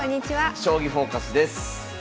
「将棋フォーカス」です。